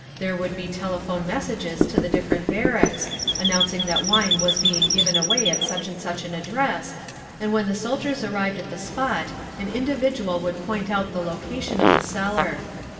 There would be telephone messages to the different barracks, announcing that wine was being given away at such and such an address, and when the soldiers arrived at the spot an individual would point out the location of the cellar….